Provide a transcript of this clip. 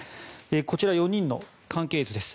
こちら、４人の関係図です。